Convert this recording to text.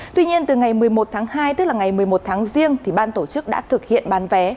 tuy nhiên từ ngày một mươi một tháng hai tức là ngày một mươi một tháng riêng ban tổ chức đã thực hiện bán vé